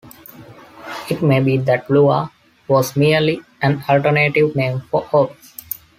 It may be that Lua was merely an alternative name for Ops.